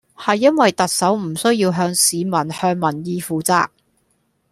係因為特首唔需要向市民向民意負責